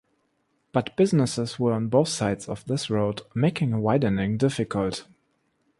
But businesses were on both sides of this road making a widening difficult.